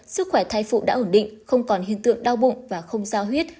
sức khỏe thai phụ đã ổn định không còn hiện tượng đau bụng và không giao huyết